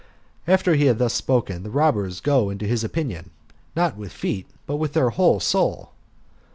After he had thus spoken, the robbers go into his opinion, not with feet, but with their whole soul.